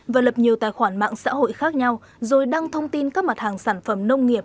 và lập nhiều tài khoản mạng xã hội khác nhau rồi đăng thông tin các mặt hàng sản phẩm nông nghiệp